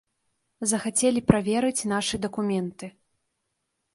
Захацелі праверыць нашы дакументы.